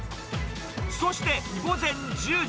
そして、午前１０時。